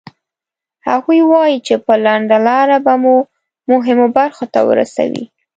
هغوی وایي چې په لنډه لاره به مو مهمو برخو ته ورسوي.